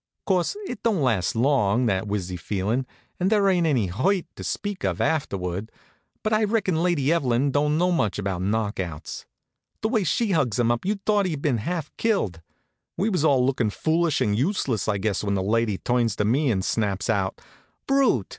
Course, it don't last long, that wizzy feelin' and there ain't any hurt to speak of afterward; but I reckon Lady Evelyn don't know much about knock outs. The way she hugs him up you'd thought he'd been half killed. We was all lookin' foolish and useless, I guess, when the lady turns to me and snaps out: "Brute!